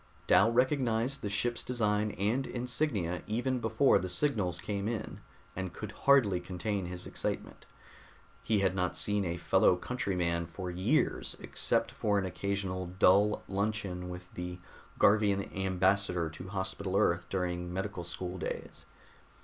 Dal recognized the ship's design and insignia even before the signals came in, and could hardly contain his excitement. He had not seen a fellow countryman for years except for an occasional dull luncheon with the Garvian ambassador to Hospital Earth during medical school days.